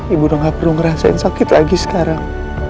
ibu udah gak perlu ngerasain sakit lagi sekarang